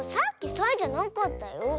サイじゃなかった。